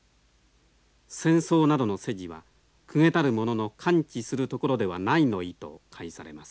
「戦争などの世事は公家たる者の関知するところではない」の意と解されます。